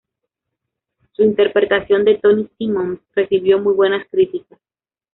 Su interpretación de Tony Simmons recibió muy buenas críticas.